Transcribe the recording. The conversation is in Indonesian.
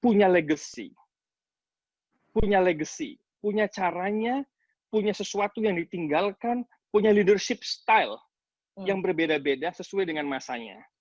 punya legacy punya legacy punya caranya punya sesuatu yang ditinggalkan punya leadership style yang berbeda beda sesuai dengan masanya